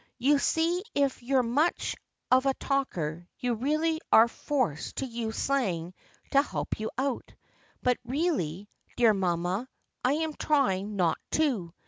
You see if you're much of a talker you really are forced to use slang to help you out. But really, dear mamma, I am trying not to.